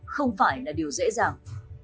không phải là điều dễ dàng